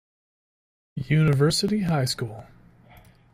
University High School